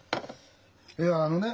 いやあのね